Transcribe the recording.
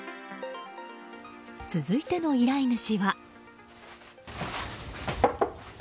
続いての依頼主は。